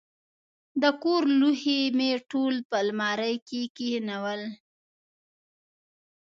د کور لوښي مې ټول په المارۍ کې کښېنول.